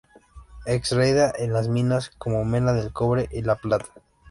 Extraída en las minas como mena del cobre y la plata.